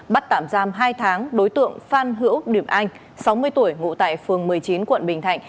bắt tạm giam hai tháng đối tượng phan hữu điệp anh sáu mươi tuổi ngụ tại phường một mươi chín quận bình thạnh